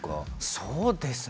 そうですね。